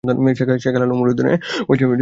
শেখ হেলাল উদ্দীনের তিন সন্তান।